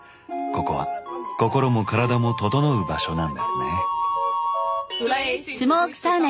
ここは心も体もととのう場所なんですね。